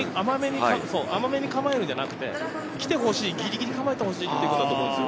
甘めに構えるんじゃなくて、来てほしいギリギリに構えてほしいっていうことだと思います。